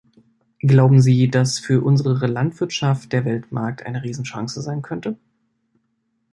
Glauben Sie, dass für unsere Landwirtschaft der Weltmarkt eine Riesenchance sein könnte?